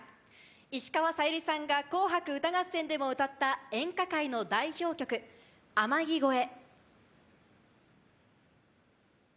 石川さゆりさんが『紅白歌合戦』でも歌った演歌界の代表曲『天城越え』。